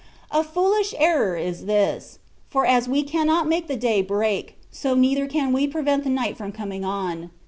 A foolish error is this; for as we cannot make the day break, so neither can we prevent the night from coming on.